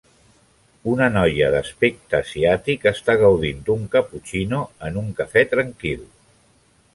Una noia d'aspecte asiàtic està gaudint d'un cappuccino en un cafè tranquil